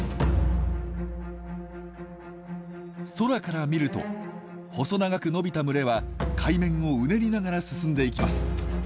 空から見ると細長く伸びた群れは海面をうねりながら進んでいきます。